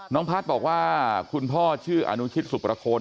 พัฒน์บอกว่าคุณพ่อชื่ออนุชิตสุประโคน